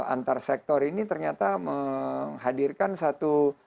antar sektor ini ternyata menghadirkan satu